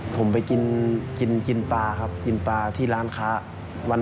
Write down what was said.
ผมไปกินกินปลาครับกินปลาที่ร้านค้า